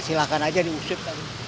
silahkan aja diusut